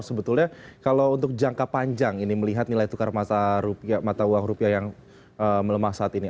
sebetulnya kalau untuk jangka panjang ini melihat nilai tukar rupiah mata uang rupiah yang melemah saat ini